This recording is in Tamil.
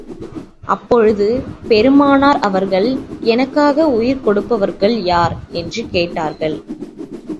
அப்பொழுது பெருமானார் அவர்கள், எனக்காக உயிர் கொடுப்பவர்கள் யார்? என்று கேட்டார்கள்.